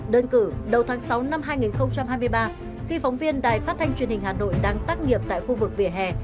đơn cử đầu tháng sáu năm hai nghìn hai mươi ba khi phóng viên đài phát thanh truyền hình hà nội đang tác nghiệp tại khu vực vỉa hè